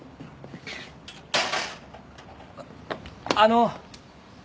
あっあの。